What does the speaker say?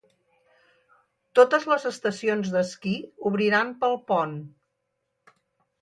Totes les estacions d'esquí obriran pel pont.